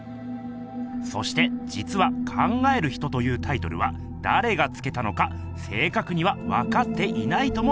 そしてじつは「考える人」というタイトルはだれがつけたのか正かくにはわかっていないともいわれています。